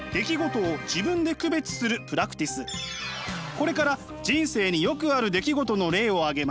これから人生によくある出来事の例を挙げます。